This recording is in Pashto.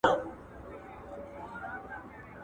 مخ په مړوند کله پټیږي.